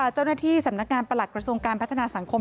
เจ้าหน้าที่สำนักงานประหลักกระทรวงการพัฒนาสังคม